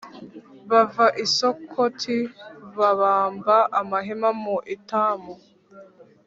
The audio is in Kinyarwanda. “bava i sukoti, babamba amahema mu etamu,